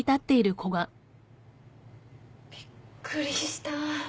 びっくりした。